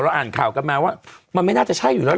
อ่านข่าวกันมาว่ามันไม่น่าจะใช่อยู่แล้ว